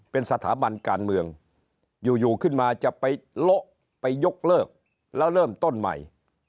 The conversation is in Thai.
เป็นสถาบันการเมืองอยู่ขึ้นมาจะไปโละไปยกเลิกแล้วเริ่มต้นใหม่